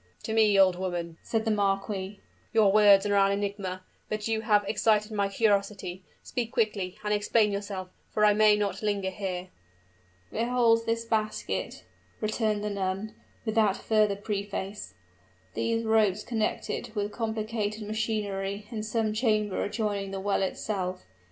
"To me, old woman," said the marquis, "your words are an enigma. But you have excited my curiosity: speak quickly, and explain yourself, for I may not linger here." "Behold this basket," returned the nun, without further preface "these ropes connect it with complicated machinery in some chamber adjoining the well itself.